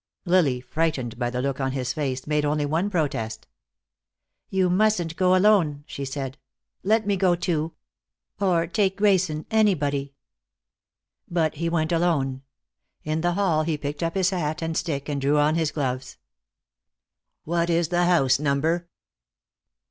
Lily, frightened by the look on his face, made only one protest. "You mustn't go alone," she said. "Let me go, too. Or take Grayson anybody." But he went alone; in the hall he picked up his hat and stick, and drew on his gloves. "What is the house number?"